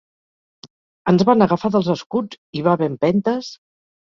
Ens van agafar dels escuts, hi va haver empentes…